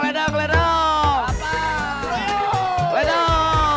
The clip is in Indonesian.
ledang ledang ledang